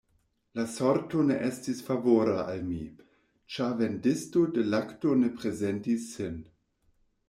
La sorto ne estis favora al mi, ĉar vendisto de lakto ne prezentis sin.